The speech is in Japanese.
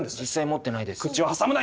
持ってないです。